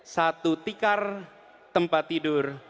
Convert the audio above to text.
satu tikar tempat tidur